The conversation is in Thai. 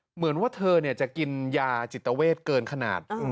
เหมือนว่าเธอเนี่ยจะกินยาจิตเตอร์เวศเกินขนาด